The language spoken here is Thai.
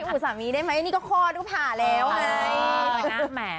หูสามีได้ไหมนี่ก็คลอดก็ผ่าแล้วไง